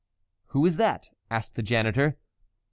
(Who is that?) asked the janitor.